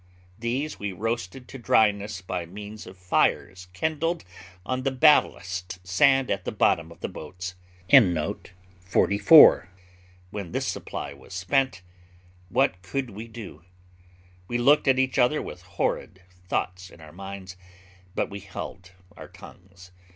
These we roasted to dryness by means of fires kindled on the ballast sand at the bottom of the boats. When this supply was spent, what could we do? We looked at each other with horrid thoughts in our minds, but we held our tongues.